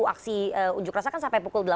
aksi ujuk rasa kan sampai pukul delapan belas ya